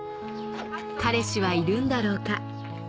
「彼氏はいるんだろうか。